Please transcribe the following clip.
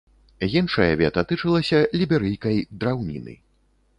Іншае вета тычылася ліберыйкай драўніны.